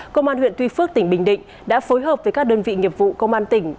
công an huyện tuy phước tỉnh bình định đã phối hợp với các đơn vị nghiệp vụ công an tỉnh